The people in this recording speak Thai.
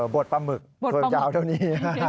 บดปลาหมึกส่วนยาวเท่านี้